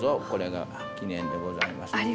これが記念でございます。